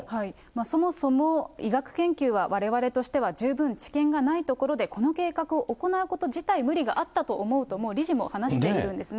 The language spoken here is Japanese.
そもそも医学研究はわれわれとしては十分知見がないところでこの計画を行うこと自体無理があったと思うと、理事も話しているんですね。